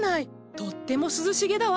とっても涼しげだわ。